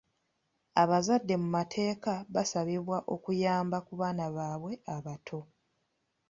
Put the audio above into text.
Abazadde mu mateeka basabibwa okuyamba ku baana baabwe abato.